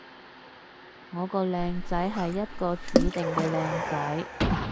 我個靚仔係一個指定嘅靚仔